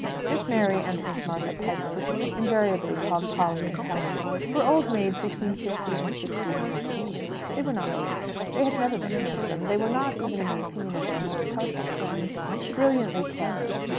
Miss Mary and Miss Martha Piper (invariably called Polly and Patty) were old maids between fifty and sixty years old. They were not rich; they had never been handsome; they were not, even in the opinion of their most partial friends, brilliantly clever.